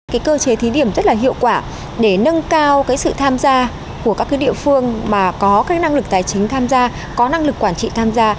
cái cơ chế thí điểm rất là hiệu quả để nâng cao cái sự tham gia của các địa phương mà có cái năng lực tài chính tham gia có năng lực quản trị tham gia